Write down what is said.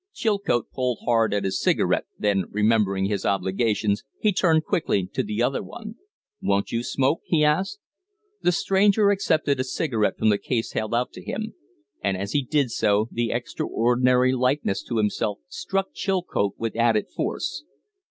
Chilcote pulled hard at his cigarette, then, remembering his obligations, he turned quickly to the other. "Won't you smoke?" he asked. The stranger accepted a cigarette from the case held out to him; and as he did so the extraordinary likeness to himself struck Chilcote with added force.